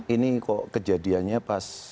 ini kok kejadiannya pas